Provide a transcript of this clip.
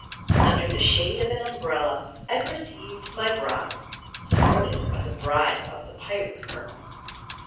Under the shade of an umbrella, I perceived my Bride, supported by the Bride of the Pirate Colonel.